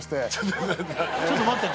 ちょっと待って。